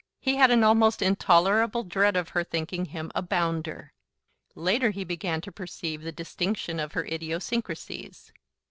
He had an almost intolerable dread of her thinking him a I bounder.' Later he began to perceive the distinction of her idiosyncracies.